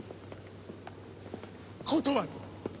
断る！